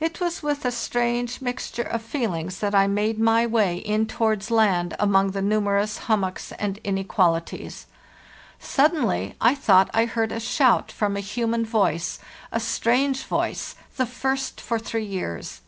"It was with a strange mixture of feelings that I LHEZ J OOCKNEY SOCTHWARD 529 made my way in towards land among the numerous hummocks and inequalities. Suddenly I thought I heard a shout from a human voice, a strange voice, the first for three years.